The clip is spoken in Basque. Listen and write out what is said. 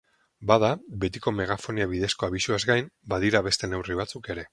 Bada, betiko megafonia bidezko abisuaz gain, badira beste neurri batzuk ere.